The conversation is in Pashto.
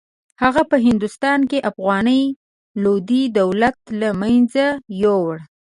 هغه په هندوستان کې افغاني لودي دولت له منځه یووړ.